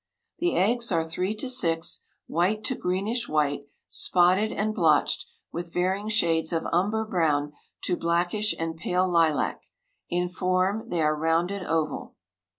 The eggs are three to six, white to greenish white, spotted and blotched, with varying shades of umber brown to blackish and pale lilac: in form they are rounded oval.